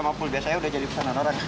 sama pul biasa ya udah jadi kesan orang